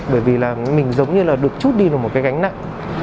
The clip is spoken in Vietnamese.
bởi vì là mình giống như là được chút đi vào một cái gánh nặng